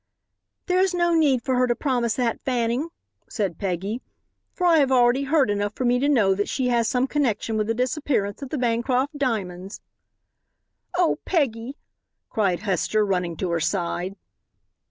"There's no need for her to promise that, Fanning," said Peggy, "for I have already heard enough for me to know that she has some connection with the disappearance of the Bancroft diamonds." "Oh, Peggy!" cried Hester, running to her side.